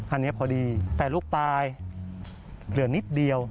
อันนี้พอดีแต่ลูกปลายเหลือนิดเดียว